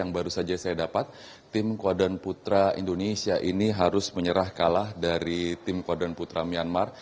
yang baru saja saya dapat tim kuadan putra indonesia ini harus menyerah kalah dari tim kuadran putra myanmar